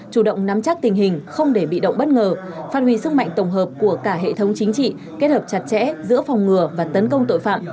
chủ động nắm chắc tình hình không để bị động bất ngờ phát huy sức mạnh tổng hợp của cả hệ thống chính trị kết hợp chặt chẽ giữa phòng ngừa và tấn công tội phạm